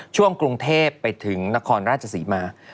ช่วงกรุงเทพไปถึงนครราชศรีมา